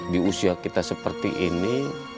di usia kita seperti ini